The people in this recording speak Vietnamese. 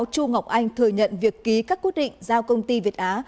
chu ngọc anh thừa nhận việc ký các quyết định giao công ty việt á